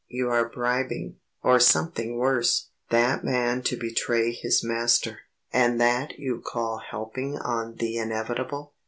You are bribing, or something worse, that man to betray his master. And that you call helping on the inevitable...."